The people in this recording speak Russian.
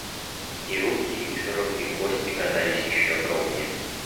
И руки и широкие кости казались еще огромнее.